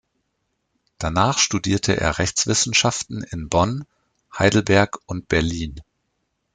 Danach studierte er Rechtswissenschaften in Bonn, Heidelberg und Berlin.